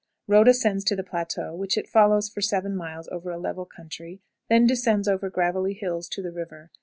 Road ascends to the plateau, which it follows for seven miles over a level country, then descends over gravelly hills to the river.